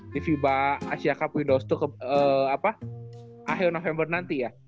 di fiba asiakap windows dua ke apa akhir november nanti ya